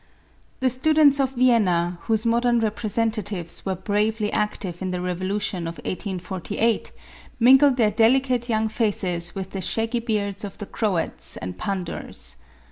The students of Vienna, whose modern representatives were bravely active in the revolution of 1848, mingled their delicate young faces with the shaggy beards of the Croats and Pandours.